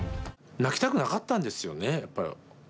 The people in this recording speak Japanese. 泣きたくなかったんですよねやっぱ。